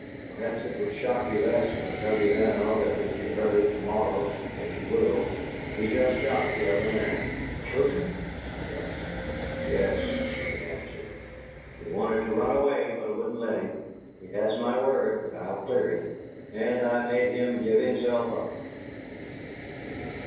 "Perhaps it would shock you less if I tell you now than if you heard it to morrow, as you will. He's just shot the other man." "Killed him!" she gasped. "Yes," he answered. "He wanted to run away, but I wouldn't let him. He has my word that I'll clear him, and I made him give himself up."